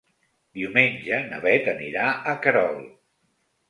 Diumenge na Beth anirà a Querol.